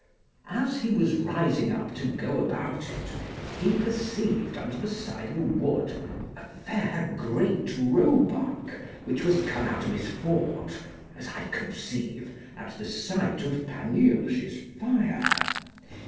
As he was rising up to go about it, he perceived under the side of a wood a fair great roebuck, which was come out of his fort, as I conceive, at the sight of Panurge's fire.